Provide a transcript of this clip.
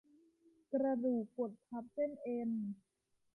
กระดูกกดทับเส้นเอ็น